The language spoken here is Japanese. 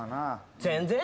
全然。